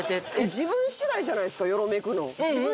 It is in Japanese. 自分次第じゃないですかよろめくのん。